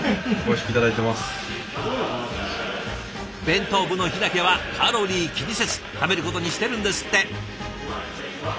弁当部の日だけはカロリー気にせず食べることにしてるんですって。